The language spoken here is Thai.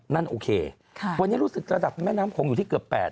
นั่นโอเควันนี้รู้สึกระดับแม่น้ำโขงอยู่ที่เกือบ๘๐๐